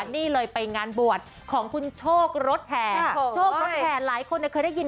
นี่เลยไปงานบวชของคุณโชครจแผน